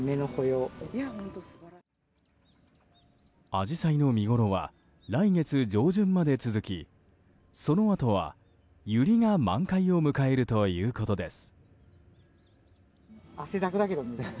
アジサイの見ごろは来月上旬まで続きそのあとは、ユリが満開を迎えるということです。